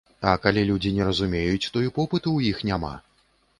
А калі людзі не разумеюць, то і попыту ў іх няма.